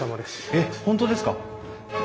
えっ本当ですか！？